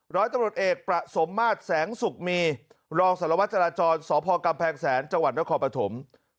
ร้อยตำรวจเอกประสมมาตรแสงสุกมีรองสารวัตรจราจรสพกำแพงแสนจังหวัดนครปฐม